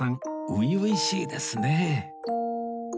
初々しいですね